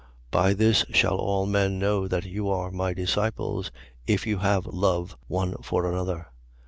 13:35. By this shall all men know that you are my disciples, if you have love one for another.